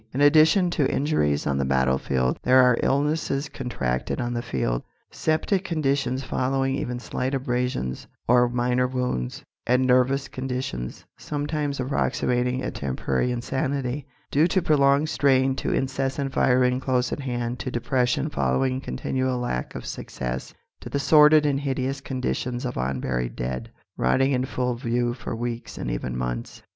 In addition to injuries on the battlefield there are illnesses contracted on the field, septic conditions following even slight abrasions or minor wounds, and nervous conditions sometimes approximating a temporary insanity due to prolonged strain, to incessant firing close at hand, to depression following continual lack of success, to the sordid and hideous conditions of unburied dead, rotting in full view for weeks and even months.